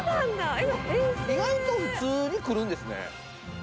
意外と普通にくるんですね